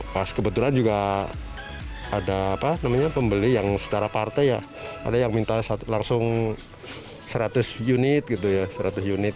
pas kebetulan juga ada pembeli yang secara partai ada yang minta langsung seratus unit